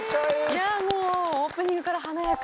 いやもうオープニングから華やか。